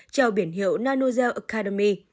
trèo biển hiệu nanogel academy